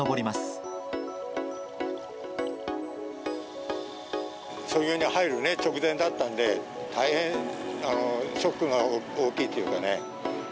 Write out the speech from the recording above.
操業に入る直前だったんで、大変ショックが大きいというかね。